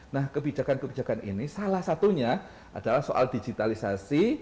nah kebijakan kebijakan ini salah satunya adalah soal digitalisasi